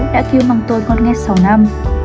đã kêu mong tôi ngon nghe sáu năm